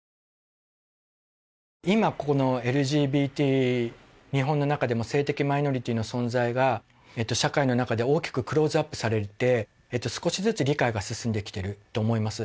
今このＬＧＢＴ日本のなかでも性的マイノリティーの存在が社会のなかで大きくクローズアップされて少しずつ理解が進んできてると思います